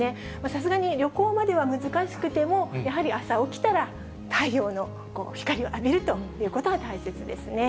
さすがに旅行までは難しくても、やはり朝起きたら、太陽の光を浴びるということは大切ですね。